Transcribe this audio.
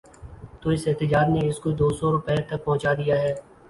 تو اس احتجاج نے اس کو دوسو روپے تک پہنچا دیا ہے۔